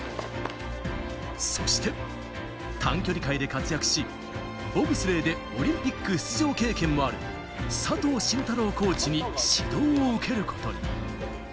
そして短距離界で活躍し、ボブスレーでオリンピック出場経験もある佐藤真太郎コーチに指導を受けることに。